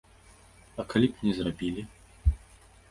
А калі б не зрабілі?